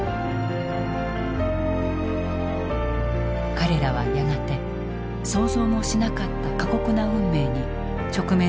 彼らはやがて想像もしなかった過酷な運命に直面することになる。